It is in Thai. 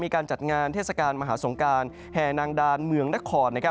การจัดงานเทศกาลมหาสงการแห่นางดานเมืองนคร